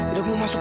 edo aku mau masuk